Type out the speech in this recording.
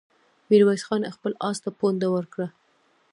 ميرويس خان خپل آس ته پونده ورکړه.